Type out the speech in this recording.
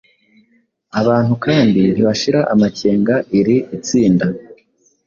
abantu kandi ntibashira amakenga iri itsinda